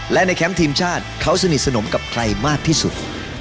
และในแคมป์ทีมชาติเขาสนิทสนมกับใครมากที่สุด